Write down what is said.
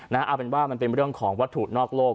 เอาเป็นว่ามันเป็นเรื่องของวัตถุนอกโลก